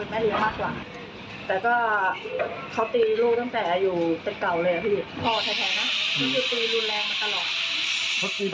เหมือนกับเค้าบอกว่าเค้าเริ่ม